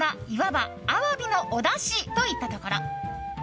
いあわばアワビのおだしといったところ。